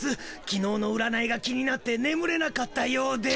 きのうの占いが気になってねむれなかったようで。